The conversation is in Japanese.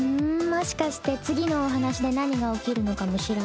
もしかして次のお話で何が起きるのかも知らない？